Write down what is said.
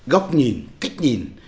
góc nhìn cách nhìn